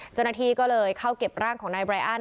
เจ้าหน้าที่ก็เลยเข้าเก็บร่างของนายไรอัน